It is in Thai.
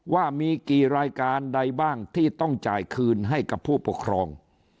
ว่ามีกี่รายการใดบ้างที่ต้องจ่ายคืนให้กับผู้ปกครอง